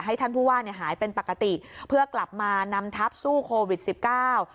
ท่านผู้ว่าเนี่ยหายเป็นปกติเพื่อกลับมานำทัพสู้โควิดสิบเก้า